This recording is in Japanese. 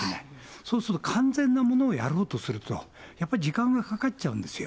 そうすると完全なものをやろうとすると、やっぱり時間がかかっちゃうんですよ。